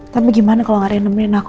tapi gimana kalau gak ada yang nemuin aku